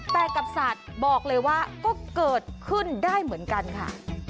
แต่กับสัตว์บอกเลยว่าก็เกิดขึ้นได้เหมือนกันค่ะ